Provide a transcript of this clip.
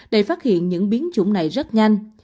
để phát hiện những biến chủng này rất nhanh